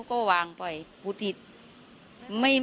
ก็วางไปผิดจริง